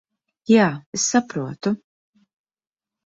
Jā, es saprotu.